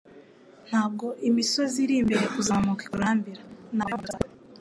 Ntabwo imisozi iri imbere kuzamuka ikurambira; ni amabuye yo mu nkweto zawe.